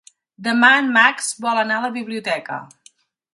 Demà en Max vol anar a la biblioteca.